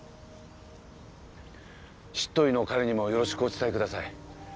執刀医の彼にもよろしくお伝えください